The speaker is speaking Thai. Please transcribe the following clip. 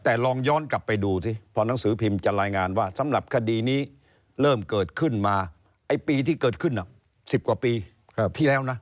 แต่ลองย้อนกลับไปดูสิพอหนังสือพิมพ์จะรายงานว่าสำหรับคดีนี้เริ่มเกิดขึ้นมาไอ้ปีที่เกิดขึ้น๑๐กว่าปีที่แล้วนะ